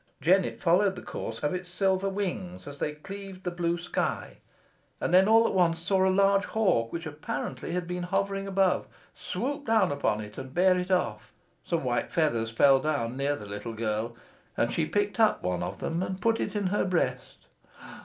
Jennet followed the course of its silver wings, as they cleaved the blue sky, and then all at once saw a large hawk, which apparently had been hovering about, swoop down upon it, and bear it off. Some white feathers fell down near the little girl, and she picked up one of them and put it in her breast.